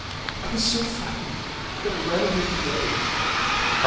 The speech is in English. I was so frightened, that I ran away to the others.